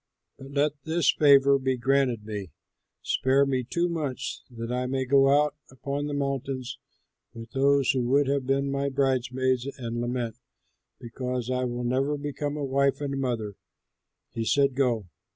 But let this favor be granted me: spare me two months that I may go out upon the mountains with those who would have been my bridesmaids and lament because I will never become a wife and mother." He said, "Go."